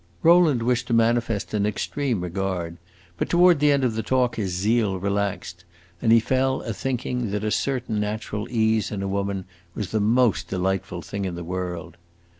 Rowland wished to manifest an extreme regard, but toward the end of the talk his zeal relaxed, and he fell a thinking that a certain natural ease in a woman was the most delightful thing in the world.